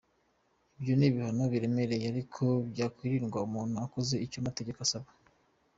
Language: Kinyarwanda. Ibyo ni ibihano biremereye ariko byakwirindwa umuntu akoze icyo amategeko asaba."